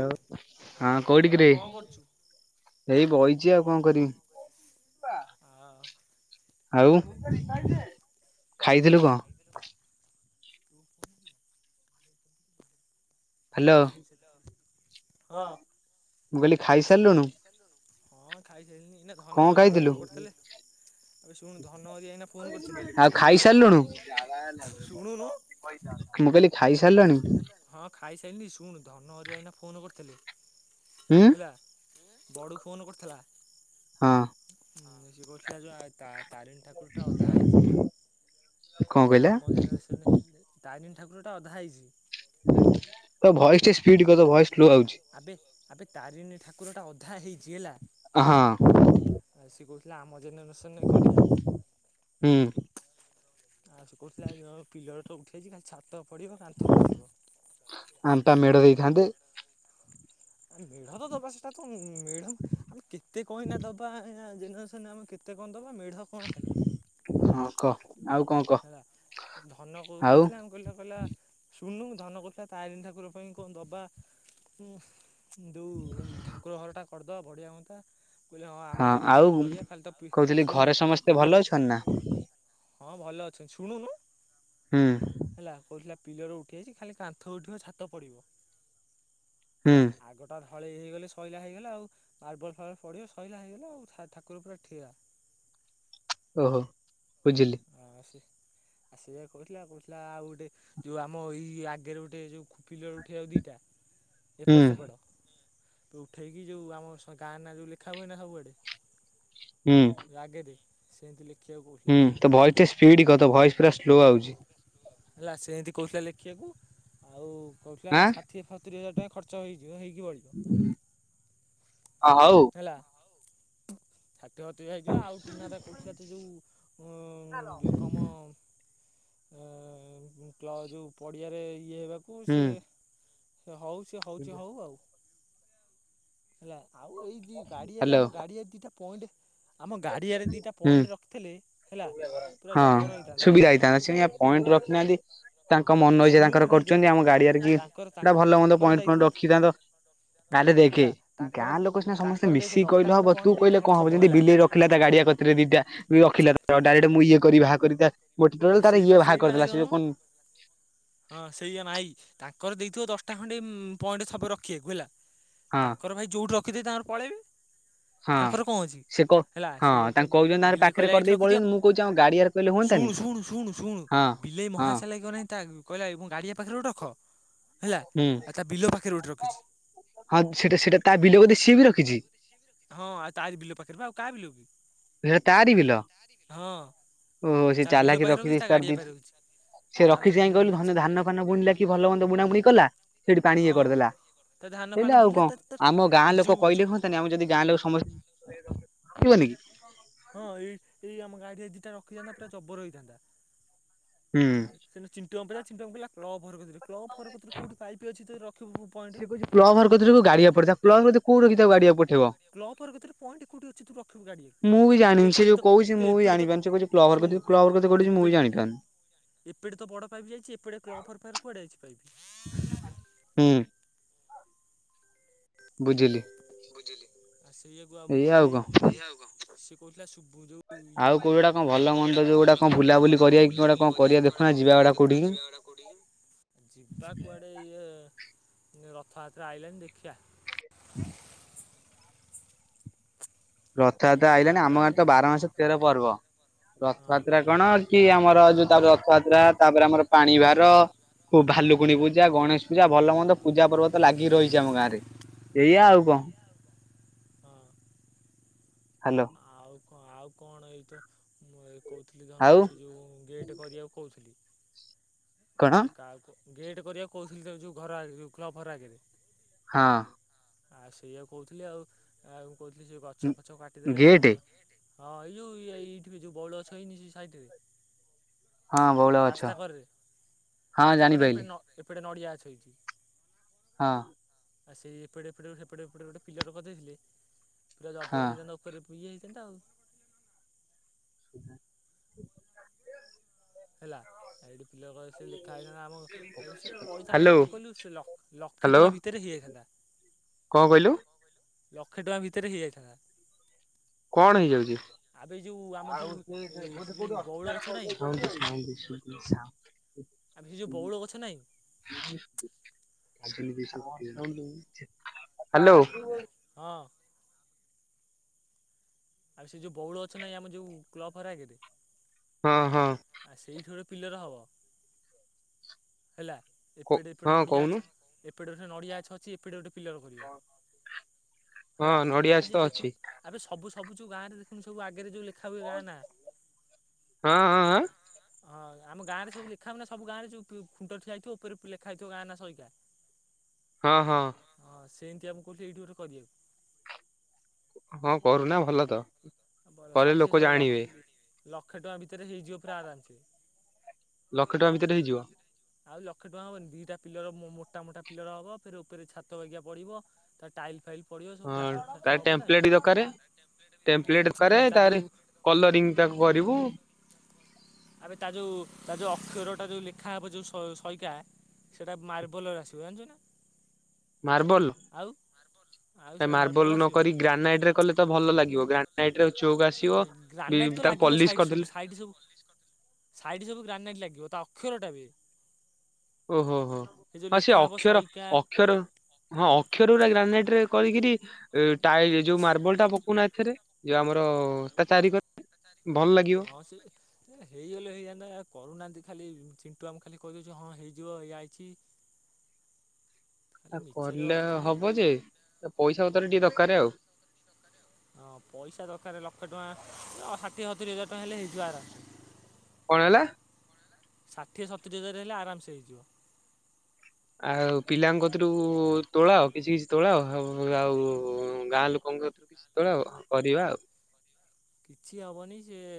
ଲ ହଁ ଆଉ କୋଉଠିକରେ କଣ କରୁଛୁ? ଏଇ ବହିଚି ଆଉ କଣ କରିବି। ଆ ଆଉ ଖାଇଥିଲୁ କଣ? ହ୍ୟାଲୋ ମୁଁ ହଁ। ମୁଁ କହିଲି ଖାଇସାରିଲୁନୁ? ହଁ ଖାଇସାରିଲିଣି ଏନେ ଧନହେରିଆ ଖାଇଥିଲୁ? ଫୋନ୍ କରିଥିଲେ। ଆରେ ଶୁଣୁ ଧନ ହେରିଆ ଏନା ଫୋନ୍ କରିଥିଲେ ଆଉ ଖାଇସାରିଲୁଣି ଶୁଣୁନୁ। ମୁଁ କଲି ଖାଇସାରିଲଣି? ହଁ ଖାଇସାରିଲି ଶୁଣ ଧନ ହେରିଆ ଏନା ଫୋନ୍ କରିଥିଲେ ଉଁ ହେଲା ପୋଡୁ ଫୋନ କରିଥିଲା। ହଁ। ହଁ ସେ କହୁଥିଲା ଯୋଉ ଆଇ ତା ତାରିଣୀ ଠାକୁରଟା ଅଧା ହେଇଚି କଣ କହୁଥିଲା କହିଲା? ଆମ ଜେନେରେସନରେ। ତାରିଣୀ ଠାକୁରଟା ଅଧା ହେଇଚି। ତୋ ଭଏସ୍ ଟିକେ ସ୍ପିଡ କରିଦବୁ ଭଏସ୍। ଆବେ ଆବେ ତାରିଣୀ ଠାକୁର ଟା ଅଧା ହେଇଛି ହେଲା। ହଁ ସେ କହୁଥିଲା ଆମ ଜେନେରେସନରେ କରିବା। ହୁଁ ଆଉ ସେ କହୁଥିଲା ଯୋଉ ପିଲର ତ ଉଠି ଯାଇଛି ଖାଲି ଛାତ ପଡିବ କାନ୍ଥ ଉଠିବ। ଆମେ ପା ମେଢ ଦେଇଥାନ୍ତେ? ଆରେ ମେଢ ତ ଦବା ସେଟା ତ ମେଢ ଆମେ କେତେ କହିନା ଦବା ଆ ଜିନସ୍ ଆମେ କେତେ କଣ ଦବା ମେଢ଼ କଣ ଖାଲି? ହଁ କହ ଆଉ କଣ? କହ? ହେଲା ଧନ କହୁ ଆଉ କହୁଥିଲା କହିଲା କହିଲା ସୁନୁଣୁ ଧନ କରୁଥିଲା ତାରିଣୀ ଠାକୁର ପାଇଁ କଣ ଦବା? ଓହୋ ଯୋଉ ଠାକୁର ଘରଟା କରିଦେବା ବଢ଼ିଆ ହୁଅନ୍ତା। କହିଲେ ହଁ ଆମ ଜେନେରେସନ କରିବା ଖାଲି ପି କହୁଥିଲି ଘରେ ଶୁଣୁ ଖାଲି ତ ସମସ୍ତେ ଭଲ ପିଲର ଅଛନ୍ତି ନା? ହଁ ଭଲ ଅଛନ୍ତି ଶୁଣୁନୁ। ହୁଁ। ହେଲା କହୁଥିଲା ପିଲର ଉଠି ଯାଇଚି ଖାଲି କାନ୍ଥ ଉଠିବ ଛାତ ପଡିବ। ହେଲା ହୁଁ ଆଗ ହଁ ଢଳେଇ ହେଇଗଲେ ସଇଲା ହୋଇଗଲା ଆଉ ମାର୍ବଲ ଫାର୍ବଲ ପଡ଼ିବ ସଇଲା ହେଇଗଲା ଆଉ ଠା ଠାକୁର ପୁରା ଠିଆ। ଓହୋ ବୁଝିଲି। ଅ ସେ ସେଇଆ କହୁଥିଲା କହୁଥିଲା ଆଉ ଗୋଟେ ଯୋଉ ଆମ ଏଇ ଆଗରେ ଗୋଟେ ଯୋଉ ପିଲର ଉଠିବାକୁ ଦିଟା।। ହୁଁ ଏପଟ ସେପଟ ଉଠେଇକି ଯେଉଁ ଆମ ଗାଁ ନା ଯେଉଁ ଲେଖା ହୁଏ ନା ସବୁଆଡେ ହୁଁ। ଆଗେ ଦେ ସେମିତି ଲେଖିବାକୁ କହୁଥିଲା। ହୁଁ ତୋ ଭଏସଟେ ସ୍ପିଡ୍ କର ଭଏସ୍ ପୁରା ସ୍ଲୋ ଆଉଚି। ହେଲା ସେମିତି କହୁଥିଲା ଲେଖିବାକୁ ଆଉ କହୁଥିଲା ଆଁ ଛାତ୍ ଇଏ ସତୁରି ହଜାର ଟଙ୍କା ଖର୍ଚ୍ଚ ହେଇଥିବ ହେଇକି ବଳିବ ହଁ ହଉ ହେଲା। ହାଟ ବାଟ କୁ ଯାଇଚୁ ନା ଆଉ ଟୁନା ଦାଦା କହୁଥିଲା ତୁ ଯୋଉ ଯେଉଁ କାମ ଅ କବ୍ଲ ପଡିଆ ଇଏ ବା କୁ ହୁଁ ସେ ହଉ ସେ ହଉଛି ହଉ ଆଉ ହେଲା ଆଉ ଏଇ ଦି ଗାଡିଆରେ ହ୍ୟାଲୋ ଆମ ଗାଡିଆରେ ଦିଟା ପଏଣ୍ଟ ଆମ ଗାଡିଆରେ ଦିଟା ହୁଁ ପଏଣ୍ଟ୍ ରଖିଥିଲେ ହେଲା ପୁରା ହଁ ଜବର ହେଇଥାନ୍ତା ସୁବିଧା ହେଇଥାନ୍ତା ସେ ସିନା ହେଲା ପଏଣ୍ଟ୍ ରଖିନାହାନ୍ତି ତାଙ୍କ ମନ ଇଚ୍ଛା ଶୁଣୁନୁ ତାଙ୍କର ହେଇ କରୁଚନ୍ତି ଦେଖେ ଆମ ଗାଡିଆରେ କି ତାଙ୍କର ଭଲ ମନ୍ଦ ତାଙ୍କର ପଏଣ୍ଟ୍ ଯାଇଥିବ ଫଏଣ୍ଟ୍ ରଖିଥାନ୍ତ ତାହେଲେ ଦେଖେ ହେଲା ତାଙ୍କର ଗାଁ ଲୋକ ସିନା ସମସ୍ତେ ତାଙ୍କର ଦେଖେ ମିଶିକି ଦଶଟା କହିଲେ ଖଣ୍ଡେ ହବ ତୁ ପଏଣ୍ଟ ଦେଇ କହିଲେ ତାଙ୍କର କଣ ହବ ଥବ ଯେମିତି ହେଲା ବିଲେଇ ରଖିଲା ତା ଗାଡିଆ କତିରେ ଦିଟା ରଖିଲା ଡାଇରେକ୍ଟେ ମୁଁ ଇଏ କରି ବାହାର କରି ତା ଗୋଟିକର ତାର ଇଏ ସେଇବା ବାହାର ସେଇବା କରିଦେଲା ସେ ଯଉ ହେଇଗଲୁଣୁ କଣ୍ ହଁ ସେଇ ଆମ ଆଇ ତାଙ୍କର ଦେଇଥିବ ଦଶଟା ଖଣ୍ଡେ ଉଁ- ପଏଣ୍ଟ୍ ସବୁ ରଖିବାକୁ ହେଲା ହଁ ତାଙ୍କର ଭାଇ ଯଉଠି ରଖିଦେବେ ତାଙ୍କର ପଳେଇବେ। ହଁ ତାଙ୍କର କଣ ଅଛି ସେ କ ହେଲା ହଁ ସେଇଆକୁ ତାଙ୍କୁ କହୁଛନ୍ତି ସେ ତାଙ୍କର ବିଲେଇ ପାଖରେ କହିଲା ଏଇଠି କରିଦେଇ ରଖିଦିଅ ପଳଉଛନ୍ତି ମୁଁ କହୁଛି ଆମ ଗାଡିଆରେ କହିଲେ ଶୁଣୁ ହୁଅନ୍ତାନି -ଶୁଣୁ -ଶୁଣୁ- ଶୁଣୁ ହଁ। ବିଲେଇ ହଁ ମହାଚାଲାକି ଅନାନି ତାକୁ କହିଲା ମୋ ଗାଡ଼ିଆ ପାଖରେ ଗୋଟେ ରଖ ହେଲା ହୁଁ ଆଉ ତା ବିଲ ପାଖେରେ ଗୋଟେ ରଖିଚି। ହଁ ସେଟା- ସେଟା ତା ବିଲ ବୋଧେ ସିଏ ବି ରଖିଚି। ହଁ ତାଆରି ବିଲ ପାଖେରେ ପା ଆଉ କା ବିଲ କି? ସେରା ତାରିି ବିଲ ହଁ ଓ ତା ସେ ବିଲ ଚାଲାକିରେ ପାଖରେ ରଖିଛି ତା ରଖିଦେଇଚି ଗାଡ଼ିଆ ତାର ଦି ପାଖରେ ରଖିଛି ଆଉ ସେ ତାର ରଖିଚି କାଇଁ କହିଲୁ ଧାନ -ଧାନ ଫାନ ବୁଣିଲା କି ଭଲ ମନ୍ଦ ବୁଣା ବୁଣି କଲା ସେଠି ପାଣି ଇଏ ହଁ କରିଦେଲା। ତା ଧାନ ଫାନ [unintelligible] ଆଉ ବୁଲିଲା କଣ ତା ତା ଆମ ଗାଁ ଲୋକ ଯୋଉ କହିଲେ ଯୋଉ ହଅନ୍ତାନି ଆମେ ଯଦି ଗାଁ ଲୋକ ସମସ୍ତେ ଆସିବ ନି କିି? ହଁ ଏଇ-ଏଇ ଆମ ଗାଡିଆରେ ଦି‌ ଟା ରଖିଥାନ୍ତା ପୁରା ଜବର ହେଇଥାନ୍ତା। ହୁଁ। ଆଁ - ସେଦିନ ଚିଣ୍ଟୁ ମାମୁଁ [unintelligible] ଚିଣ୍ଟୁ ମାମୁଁ କହିଲା କ୍ଲବ [unintelligible] କଉଠି ପାଇପି ଅଛି ଯେ ରଖିବୁ ପଏଣ୍ଟ ସେ କହୁଚି କ୍ଲବ ଘର କତିରୁ [unintelligible] ପଠେଇବ କ୍ଲବ ଘର କତିରେ ପଏଣ୍ଟ୍ କଉଠି ଅଛି ତୁ ରଖିବୁ ଗାଡିଏ ମୁଁ ବି ତୁ ଜାଣିନି ସେ ଯୋଉ ଏପଟେ କହୁଛି ତୁ ମୁଁ ବି ଏପଟେ ତ ଜାଣିପାରୁନି ସେ କହୁଛି କ୍ଲବ ଘର ଶୁଣୁ କତିରେ ଏ କ୍ଲବ ଘର କତିରେ କହୁଛି ମୁଁ ବି -ଏପିଡି ଜାଣିପାରୁନି। ଏପଟେ ତ ବଡ ପାଇପି ଯାଇଚି ଏପଟେ କ୍ଲବ୍ ଘର ପାଖେରେ କୁଆଡେ ଯାଇଚି ପାଇପି? ହୁଁ। ବୁଝିଲି। ଆଉ ସେଇଆକୁ ଆଉ ମୁଁ ଏଇ ଏଇଆ କହୁଥିଲି କଣ ସେ କହୁଥିଲା ଶୁବୁ ଯଉ ଆଉ କୋଉ ଗୋଟା କଣ ଭଲ ମନ୍ଦ ଯୋଉ ଗୋଟା କଣ ବୁଲାବୁଲି କରିବା କି ଗୋଟେ କଣ କରିବା ଦେଖୁନା ଯିବା ଗୋଟା କୋଉଠିକି। [unintelligible] ଯିବା କୁଆଡେ ଇଏ ରଥ ଆସି-ଆଇଲାଣି ଦେଖିବା। ରଥଯାତ୍ରା ଆଇଲାଣି ଆମ ଗାଁରେ ତ ବାର ମାସ ତେର ପର୍ବ ହଁ ରଥଯାତ୍ରା କଣ କି ଆମର ଯଉ ତାପରେ ରଥଯାତ୍ରା ତାପରେ ଆମର ପାଣି ଭାର, ପୁ-ଭାଲୁକୁୁଣି ପୁ ପୂଜା, ଗଣେଶ ପୂଜା ଭଲ ହଁ ମନ୍ଦ ପୂଜା ପର୍ବ ତ ଲାଗି ରହିଚି ଆମ ଗାଁରେ। ଏଇଆ ଆଉ କଣ ହଁ- ହଁ। ହାଲୋ। ଆଉ କ ଆଉ କଣ ଏଇ ତ ମୁଁ କହୁଥିଲି ଆଉ ଧନକୁ ସେ ଯଉ ଗେଟେ କରିବାକୁ କହୁଥିଲି। କଣ ଆଉ କାହାକୁ ଗେଟେ କରିବାକୁ କହୁଥିଲି ତତେ ଯଉ ଘର ଆଗ ଯଉ କ୍ଲବ ଘର ଆଗେରେ। ହଁ। ଆଉ ସେଇଆକୁ କହୁଥିଲି ଆଉ -ଆଉ କହୁଥିଲି ସେ ଗଛ ଫଛ କାଟିଦେଲେ ପୁରା ଗେଟ୍ ହଁ ଏଇ ଯଉ ଇଏ ଏଇଠି କି ଯଉ ବଉଳ ଗଛ ହେଇନି ସେ ସାଇଟି ରେ ହଁ ବଉଳ ଗଛ। କରରେ ହଁ ରାସ୍ତା କରେ ଏପଟେ ଜାଣିପାଇଲି ନ-ଏପଟେ ନଡିଆ ଗଛ ହେଇଚି। ହଁ। ଆଉ ସେଇ ଏପଟେ ଏପଟେ ସେପଟେ ହେପଟେ ଗୋଟେ ପିଲର କରିଦେଇଥିଲେ ପୁରା ହଁ ଜବର ହେଇଥାନ୍ତା। ଉପରେ ପଇଯାଇଥାନ୍ତା ଆଉ। ଉଁ ହୁଁ। ହେଲା, ଆ ଏଇଠି ପିଲର କ ସେ ଲେଖା ହେଇଥାନ୍ତା, ଆମ ସେ ପଡିଥାନ୍ତା ହାଲୋ କେତେ କହିଲୁ ସେ ଲ ଲକ୍ଷେ ହାଲୋ ଟଙ୍କା ଭିତରେ ହେଇଯାଇଥାନ୍ତା। କଣ କହିଲୁ? ଲକ୍ଷେ ଟଙ୍କା ଭିତରେ ହେଇଯାଇଥାନ୍ତା। ଆବେ କଣ ଯୋଉ ଆମ ଯୋଉ ସେ ଯୋଉ ହେଇଯାଉଚି? ବଉଳ ଗଛ ନାହିଁ ଆଉଠ [unintelligible] ଆବେ, ସେ ଯଉ ବଉଳ ଗଛ ନାଇଁ ହାଲୋ। ହଁ। ଆବେ ସେ ଯଉ ବଉଳ ଗଛ ନାଇ, ଆମ ଯଉ କ୍ଲବ ଘର ଆଗରେ ହଁ ହଁ। ଆ ସେଇଠି ଗୋଟେ ପିଲର ହବ, ହେଲା। କ ଏପେଟ ଏପଟେ ହଁ ନଡ଼ିଆ କହୁନୁ ଗଛ ଏପଟେ ନଡ଼ିଆ ଗଛ ଅଛ ସେ ଏପଟ ଗୋଟେ ପିଲର କରିବ, ହଁ ହେଲା ନଡିଆ ଆବେ ଅଛି ତ ସେ ଦେଖିବୁ ଅଛି ଆବେ ସବୁ ସବୁ ଯଉ ଗାଁରେ ଦେଖୁନୁ, ସବୁ ଆଗରେ ଯଉ ଲେଖା ହୁଏ ଗାଁ ନା ହଁ ହଁଁ, ଆଁ ହଁ, ଆମ ଗାଁରେ ସବୁ ଲେଖା ହବନା ସବୁ ଗାଁ ରେ ଯଉ ଖୁଣ୍ଟ ଠିଆହେଇଥିବ, ଉପରେ ଉପ ଲେଖା ହେଇଥିବ ଗାଁ ନା ସହିତା [inaudible] ହଁ ହଁ। ହଁ ସେଁତିଆ, ମୁ କହୁଥିଲି ଏଇଠି ଗୋଟେ କରିବାକୁ। ହଁ କରୁନା ଭଲ ତ କରେ ଷାଠିଏ ଲୋକ ଶହେ ଲକ୍ଷ ଜାଣିବେ। ଲକ୍ଷେ ଟଙ୍କା ଭିତରେ ହେଇଯିବ ପୁରା ଆରାମସେ। ଲକ୍ଷ ଟଙ୍କା ଭିତରେ ହେଇଯିବ। ଆଉ ଲକ୍ଷେ ଟଙ୍କା ହବନି ଦିଟା ପିଲର ମୋଟା ମୋଟା ପିଲର ହବ ଫେରେ ଉପରେ ଛାତ ବଗିଆ ପଡିବ। ତା ଟାଇଲି ଫାଇଲି ହଁ ତା ଟେମ୍ପ୍ଲଟେ ଦରକାରେ। ଟେମ୍ପ୍ଲେଟ ହୁଁ କରେ ତା ଯୋଉ ତାର କଲରିଂ ତାକୁ କରିବୁ। ଆବେ ତା ଯୋଉ ତା ଯୋଉ ଅକ୍ଷର ଟା ଯୋଉ ଲେଖା ହବ ଯୋଉ ସ ସଇକା। ସେଟା ମାର୍ବଲ ର ଆସିବ ଜାଣିଛୁ ନା। ମାର୍ବଲ ଆଉ ଆଉ ସେଇଟା ମାର୍ବଲର ମାର୍ବଲ ଆସିବନି। ନକରିକି ଗ୍ରାନାଇଟ ରେ କଲେ ତ ଭଲ ଲାଗିବ ଗ୍ରା ନାଇଟ ରେ ଅଛୁ। ଗା ଗ୍ରାନାଇଟ୍ ତ ଲାଗିବ ସାଇଟ ସବୁ କରିଦେଲେ ସାଇଟ୍ ସବୁ ସାଇଡ ସବୁ ଗ୍ରାନେଟ୍ ଲାଗିବ ତା ଅକ୍ଷରଟା ବି ଓହୋ ହୋ ଯୋଉ ହ ସେ ଲେଖା ହବ ଅକ୍ଷର ସଇକା ଅକ୍ଷର ହଁ ଅକ୍ଷର ଉରା ଗ୍ରାନାଇଟ ରେ କରିକିରି ଟାଇ ଯୋଉ ମାର୍ବଲ ଟା ପକଉନା ଏଥିରେ। ଯୋଉ ଆମର ତା ଚାରି କ [unintelligible] ହଁ ସେ ଏ ହେଇଗଲେ ହେଇଥାନ୍ତା କରୁନାହାନ୍ତି ଖାଲି ଚିଣ୍ଟୁ ଆମକୁ ଖାଲି କହିଦଉଛୁ ହଁ ହେଇଯିବ ଇଆ ଅଛି। [inaudible] ଆ କଲେ ହବ ଯେ ପଇସା ବତରେ ଟିକେ ଦକାରେ ଆଉ। ହଁ ପଇସା ଦରକାର ଲକ୍ଷେ ଟଙ୍କା ଆଉ ଷାଠିଏ ସତୁରି ହଜାର ଟଙ୍କା ହେଲେ ହେଇଯିବ ଆରାମସ୍। କଣ ହେଲା? ଷାଠିଏ ସତୁରି ହଜାର ହେଲେ ଆରାମସ୍ ହେଇଯିବ। ଆଉ ପିଲାଙ୍କକତୁରୁ ତୋଳଆ କିଛି କିଛି ତୋଳ ଆ ଆଉ ଆଉ ଗାଁ ଲୋକଙ୍କ କତୁରୁ ତୋଳ କରିବା ଆଉ। କିଛି ହବନି ସିଏ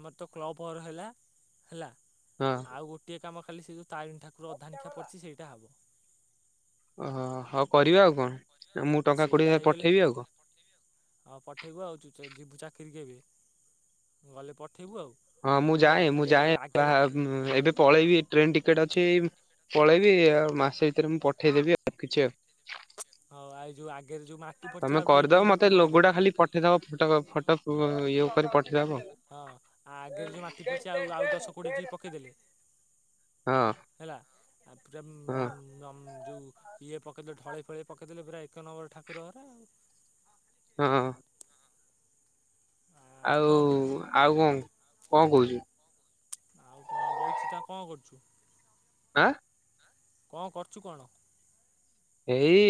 ଆମର ତ କ୍ଲବ ଘର ହେଲା ହେଲା। ହୁଁ। ଆଉ ଗୋଟିଏ କାମ ଖାଲି ସେ ଯେଉଁ ତରିଣୀ ଠାକୁର ଅଧାନିକା ପଡ଼ିଛି ସେଇଟା ହଵ। ଓହୋ ହଉ କରିବା ଆଉ କଣ ମୁଁ ଟଙ୍କା କୋଡ଼ିଏ ହଜାର ପଠେଇବି ଆଉ କଣ। ହଁ ପଠେଇବୁ ଆଉ ଚୁଯା ଯିବୁ ଚାକିରୀ କେବେ ଗଲେ ପଠେଇବୁ ଆଉ। ହଁ ମୁଁ ହେଲା ଯାଏ ମୁଁ ଖାଲି ଯାଏ ବା ଆଗରେ ଏବେ। ପଳେଇବି ଟ୍ରେନ ଟିକେଟ୍ ଅଛି ପଳେଇବି ଆଉ ମାସେ ଭିତରେ ମୁଁ ପଠେଇଦେବି ଆଉ କିଛି ଆଉ। ହଉ ଆଇ ଯୋଉ ଆଗରେ ଯୋଉ ମା ତମେ କରିଦବ ମତେ ଲଗୋଟା ଖାଲି ପଠେଇଦବ ଫଟ ଫଟ ଇଏ କରି ପଠେଇଦବ। ହଁ ଆଗରେ ଯୋଉ ମାଟି ପଡ଼ିଛି ଆଉ ଆଉ ଦଶ କୋଡ଼ିଏ ଟ୍ରୀପ୍ ପକେଇଦେଲେ ହଁ ହେଲା ଆପୁରାମ୍ ହଁ ନମ୍ ଯୋଉ ଇଏ ପକେଇଦେଲେ ଢଳେଇ ଫଳେଇ ପକେଇଦେଲୁ ପୁରା ଏକ ନମ୍ବର ଠାକୁର ଘରେ ଆଉ। ହଁ। ଆଉ କଣ କହୁଛୁ ଆଉ କ କଣ କହୁଛୁ? ଆଉ କଣ ବଇଚୁତ ଆଉ କଣ କରୁଛୁ? ଆଁ। କଣ କରୁଛୁ କଣ? ଏଇ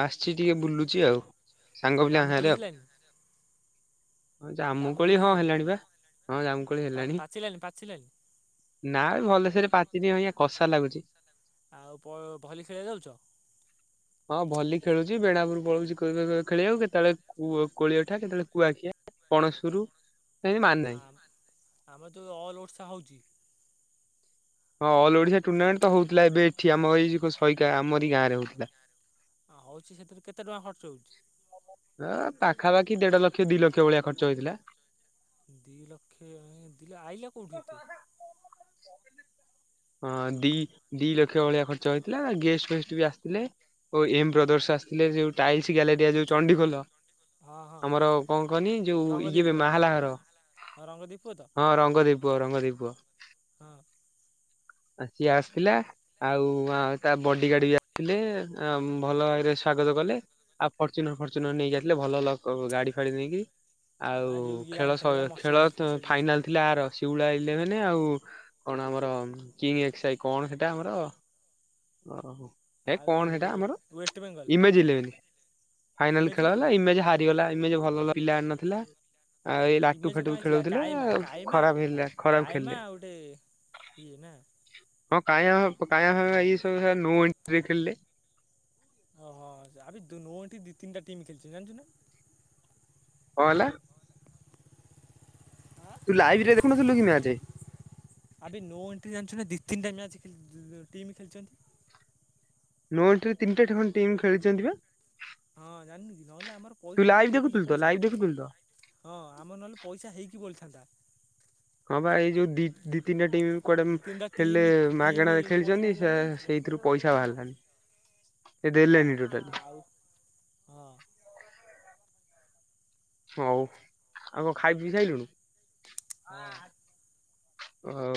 ଆସିଛି ଟିକେ ବୁଲୁଚି ଆଉ। ସାଙ୍ଗ ଆ ପିଲାଙ୍କ ଜାମୁକୋଳି ହେଲଣି। ହଁ ଜାମୁକୋଳି ହଁ ହେଲାଣି ପା ହଁ ଜାମୁକୋଳି ହେଲାଣି। ପାଚିଲାଣି ପାଚିଲାଣି ନା ଭଲସରେ ପାଚନି ଅବିକା କଷା ଲାଗୁଛି। ଆଉ ପ-ଭଲି ଖେଳିବା ଯାଉଛ? ହଁ ଭଲି ଖେଳୁଛି ବେଣାବୁରୁ ପଳଉଛି ଖେଳିବାକୁ କେତେବେଳେ କ କୋଳିଅଠା କେତେବେଳେ କୁଆଖିଆ। କଣେସପୁର। ଆ ଆମର ତ ଅଲ ଓଡଶା ହଉଛି। ହଁ ଅଲ୍ ଓଡ଼ିଶା ଟୁର୍ଣ୍ଣାମେଣ୍ଟ ତ ହଉଥିଲା ଏବେ ଏଠି ଆର ଏଇ ସଇକା ଆମର ଏଇ ଗାଁରେ ହଉଥିଲା। ହଁ ହଉଚି ସେଥିରେ କେତେ ଟଙ୍କା ଖର୍ଚ୍ଚ ହଉଚି? ଆଁ ପାଖାପାଖି ଦେଢ ଲକ୍ଷ ଦିଇ ଲକ୍ଷ ଭଳିଆ ଖର୍ଚ୍ଚ ହେଇଥିଲା। ଦି ଲକ୍ଷେ ଏତେ ଆଇଲା କୋଉଠୁ ଏତେ। ହଁ ଦି ଦି ଲକ୍ଷ୍ୟ ଭଳିଆ ଖର୍ଚ୍ଚ ହେଇଥିଲା ଗେଷ୍ଟ ଫେଷ୍ଟ ବି ଆସିଥିଲେ। ଓଇ ଏମ ବ୍ରଦର୍ସ ଆସିଥିଲେ ଯୋଉ ଟାଇଲସ ଗ୍ୟାଲୋରରିଆ ଯୋଉ ଚଣ୍ଡିଖୋଲ ହଁ ହଁ ଆମର କଣ କହନି ଯୋଉ ଇଏବେ ମାହାଲା ଘର। ହଁ ରଙ୍ଗ ଦେଇ ପୁଅ ତ? ହଁ ରଙ୍ଗଦେଇ ପୁ ପୁଅ ରଙ୍ଗ ଦେଇ ପୁଅ। ହଁ। ଆ ସିଏ ଆସିଥିଲା। ଆଉ ଆ ତା ବଡିଗାର୍ଡ ବି ଆସିଥିଲେ ଭଲ ଭାବରେ ସ୍ଵାଗତ କଲେ। ଆଉ ଫର୍ଚୁନର ଫର୍ଚୁନର ନେଇକି ଆଇଥିଲେ ଭଲ ଲକ ଗାଡି ଫାଡି ନେଇକି। ଆ ଆଉ ଯୋଉ ଇଏ ଖେଳ ଆଣିଥିଲେ ଶ୍ ବା ଖେଳ ମର୍ସଡିଜ ଫର୍ସଡିଜ ଫାଇନାଲ ଥିଲା ଆର ଶିଉଳା ଇଲେଭେନ ଆଉ କଣ ଆମର କିଙ୍ଗ ଏକ୍ସସାଇ କଣ ସେଇଟା ଆମର ଅ ହଉ ହେ ଆଉ କଣ ଯୋଉ ହେଟା ଆମର ୱେଷ୍ଟବେଙ୍ଗଲ ଇମେଜଇଲେଭ୍ରୀ ଫାଇନାଲ ଇମେଜ ଖେଳ ନୁହେଁ ହେଲା ଇମେଜ୍ ହା କଟିଗଲା ଏମେଜ୍ ଭଲ ଭଲ ପିଲା ଆଣି ନଥିଲା। ଆଉ ଏଇ ଲାଟୁ ଇମେଜ କଣ ଫାଟୁ ବି ହେଇଥିଲା ଖେଳୋଉଥିଲେ କାଇମା କାଇମା ଖରାପ ହେଲା ଖରାପ ଖେଳିଲେ। କିଏ ନାଁ? ହଁ କାଇଆଁ କାଇଆଁ ଭାମା ଏ ସବୁ ନୋ ଏଣ୍ଟ୍ରିରେ ଖେଳିଲେ। ଓହୋ ଆବେ ନୋ ଏଣ୍ଟ୍ରିରେ ଦି ତିନିଟା ଟିମ୍ ଖେଳିଚନ୍ ଜାଣିଚ ନାଁ। କଣ ହେଲା? ତୁ ଲାଇଭରେ ଦେଖୁନଥିଲୁ କି ମ୍ୟାଚ୍। ଆବେ ନୋ ଏଣ୍ଟ୍ରି ଜାଣିଚୁ ନା ଦି ତିନିଟା ମ୍ୟାଚ୍ ଖେଳି ଟିମ୍ ଖେଳିଛନ୍ତି। ନୋଓ ଏଣ୍ଟ୍ରିରେ ତିନିଟା ଏଠି ଖଣ୍ଡେ ଟିମ୍ ଖେଳିଛନ୍ତି ପା। ହଁ ଜାଣିନୁ କି ନହେଲେ ଆମର ପଇସା ଯୋଉ ଲାଇଭ୍ ଟୁପୁଲି ଦେଖୁଥିଲୁ ତ ପଇସା। ଲାଇଭ୍ ଦେଖୁଥିଲୁ ତ? ହଁ ଆମର ନହେଲେ ପଇସା ହେଇକି ବଳିଥାନ୍ତା। ହଁ ପା ଏଇ ଯୋଉ ଦି ଦି ତିନିଟା ଟିମ୍ କୁଆଡେ ଦୁଇ ତିନିଟା ଖେଳିଲେ ଟିମ୍ ଟିମ୍ ମାଗଣାରେ ପଇସା ଖେଳିଛନ୍ତି ସେ ହେଲାନି ସେଇ ହେଥିରୁ ପଇସା ବାହାରିଲାନି। ସେ ହେଲା ଦେଲେନି ଟୋଟାଲି ଆଉ ହଁ। ହଉ ଆଉ କଣ ଖାଇ ପିଇ ସାଇଲୁଣୁ? ହଁ। ଓହୋ।